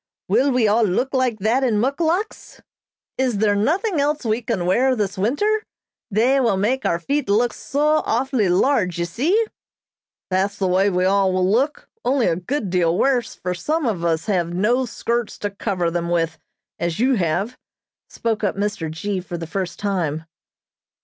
Will we all look like that in muckluks? Is there nothing else we can wear this winter? They will make our feet look so awfully large, you see?" "That's the way we will all look, only a good deal worse, for some of us have no skirts to cover them with, as you have," spoke up Mr. G. for the first time.